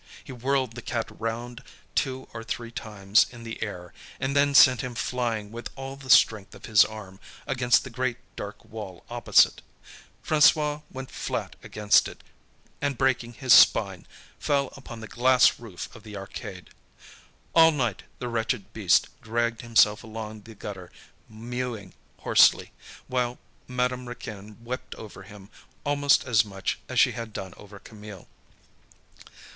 He whirled the cat round two or three times in the air, and then sent him flying with all the strength of his arm, against the great dark wall opposite. François went flat against it, and breaking his spine, fell upon the glass roof of the arcade. All night the wretched beast dragged himself along the gutter mewing hoarsely, while Madame Raquin wept over him almost as much as she had done over Camille.